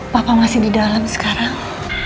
papa masih di dalam sekarang